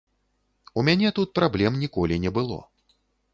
У мяне тут праблем ніколі не было.